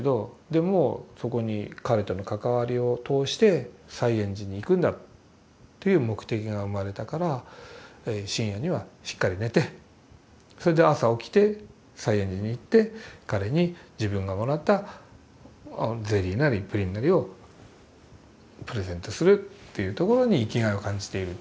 でもそこに彼との関わりを通して西圓寺に行くんだという目的が生まれたから深夜にはしっかり寝てそれで朝起きて西圓寺に行って彼に自分がもらったゼリーなりプリンなりをプレゼントするというところに生きがいを感じている。